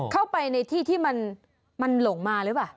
เข้าไปในที่ที่มันหลงมาหรือเปล่า